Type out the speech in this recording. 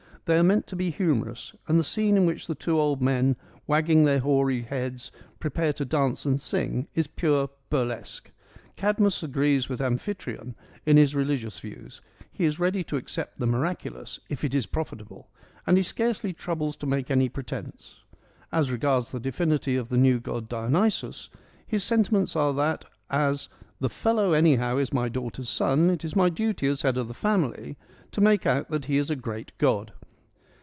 They are meant to be humorous, and the scene in which the two old men, wagging their hoary heads, prepare to dance and sing is pure burlesque. Cadmus agrees with Amphitryon in his religious views : he is ready to accept the mira culous, if it is profitable ; and he scarcely troubles to make any pretence. As regards the divinity of the new god Dionysus, his sentiments are that, as ' The fellow anyhow is my daughter's son : it is my duty as head of the family to make out that he is a great god